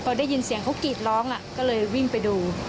พอได้ยินเสียงเขากรีดร้องก็เลยวิ่งไปดู